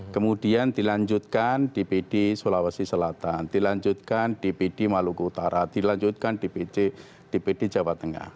kemudian dilanjutkan dpd sulawesi selatan dilanjutkan dpd maluku utara dilanjutkan dpd jawa tengah